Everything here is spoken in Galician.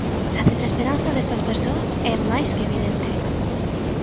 A desesperanza destas persoas é máis que evidente.